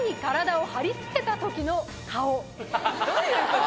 どういうこと？